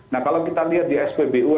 nah kalau kita lihat di spbu